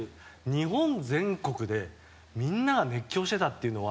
日本全国で、みんなが熱狂してたっていうのは。